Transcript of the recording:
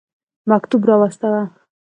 مکتوب را واستاوه.